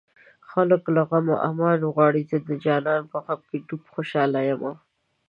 خلک له غمه امان غواړي زه د جانان په غم کې ډوب خوشاله يمه